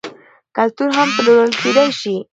کلتور هم پلورل کیدی شي.